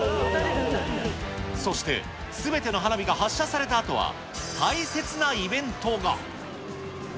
そしてすべての花火が発射されたあとは、大切なイベントが。